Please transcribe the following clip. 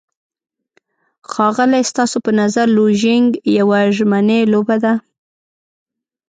ښاغلی، ستاسو په نظر لوژینګ یوه ژمنی لوبه ده؟